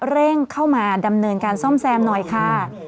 เร่งเข้ามาดำเนินการซ่อมแซมหน่อยค่ะ